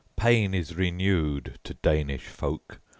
Pain is renewed to Danish folk.